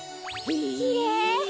きれい。